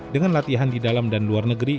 dengan latihan di dalam dan luar negeri